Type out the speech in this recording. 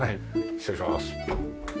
失礼します。